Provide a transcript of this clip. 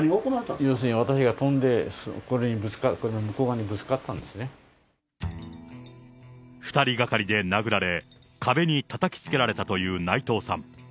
要するに私が飛んで、これにぶつかって、２人がかりで殴られ、壁にたたきつけられたという内藤さん。